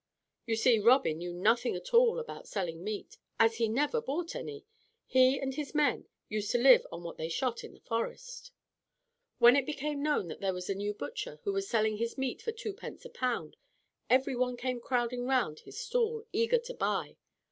You see Robin knew nothing at all about selling meat, as he never bought any. He and his men used to live on what they shot in the forest. When it became known that there was a new butcher, who was selling his meat for twopence a pound, every one came crowding round his stall eager to buy.